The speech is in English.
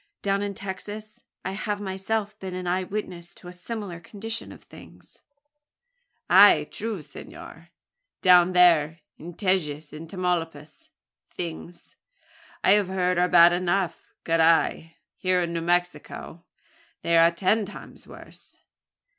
Down in Texas, I have myself been an eye witness to a similar condition of things." "Ah! true, senor. Down there in Tejas and Tamaulipas things, I have heard, are bad enough. Carrai! here in New Mexico they are ten times worse.